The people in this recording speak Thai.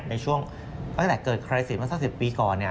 ในช่วงตั้งแต่เกิดใครสิทธิ์มาสัก๑๐ปีก่อน